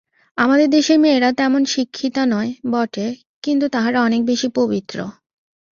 আমাদের দেশের মেয়েরা তেমন শিক্ষিতা নয় বটে, কিন্তু তাহারা অনেক বেশী পবিত্র।